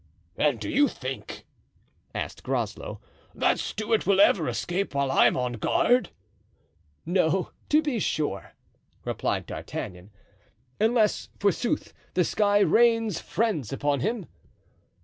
"And do you think," asked Groslow, "that Stuart will ever escape while I am on guard?" "No, to be sure," replied D'Artagnan; "unless, forsooth, the sky rains friends upon him."